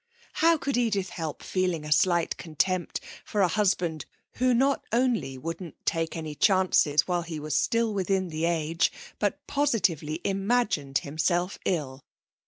How could Edith help feeling a slight contempt for a husband who not only wouldn't take any chances while he was still within the age, but positively imagined himself ill.